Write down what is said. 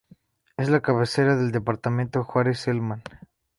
Es la cabecera del departamento Juárez Celman.